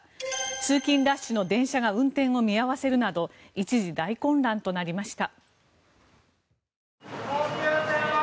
通勤ラッシュの電車が運転を見合わせるなど一時、大混乱となりました。